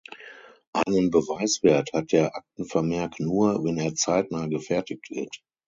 Einen Beweiswert hat der Aktenvermerk nur, wenn er zeitnah gefertigt wird.